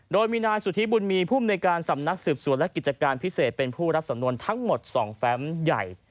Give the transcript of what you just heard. โดยมีนายสุธิบุญมีภูมิในการสำนักสืบสวนและกิจการพิเศษเป็นผู้รับสำนวนทั้งหมด๒แฟมใหญ่